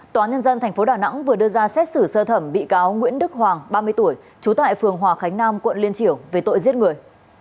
tòa nhân dân tp đà nẵng vừa đưa ra xét xử sơ thẩm bị cáo nguyễn đức hoàng ba mươi tuổi trú tại phường hòa khánh nam quận liên triểu về tội giết người